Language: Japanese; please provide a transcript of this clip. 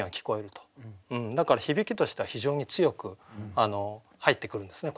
だから響きとしては非常に強く入ってくるんですね